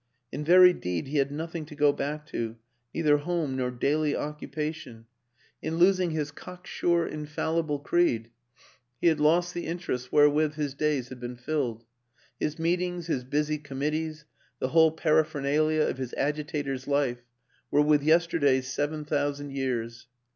In very deed he had nothing to go back to, neither home nor daily occupation; in losing his WILLIAM AN ENGLISHMAN 205 cocksure, infallible creed he had lost the interests wherewith his days had been filled. His meet ings, his busy committees, the whole paraphernalia of his agitator's life, were with yesterday's seven thousand years.